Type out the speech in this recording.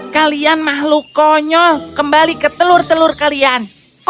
kalian makhluk konyol kembali ke telur telur kalian